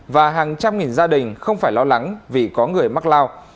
và hàng trăm nghìn gia đình không phải lo lắng vì có người mắc lao